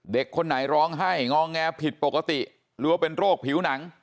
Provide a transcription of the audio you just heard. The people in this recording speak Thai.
คนไหนร้องไห้งอแงผิดปกติหรือว่าเป็นโรคผิวหนัง